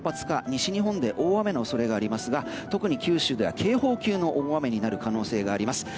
西日本で大雨の恐れがありますが特に九州では警報級の大雨になる可能性があります。